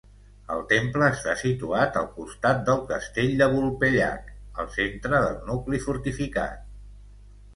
El temple està situat al costat del castell de Vulpellac, al centre del nucli fortificat.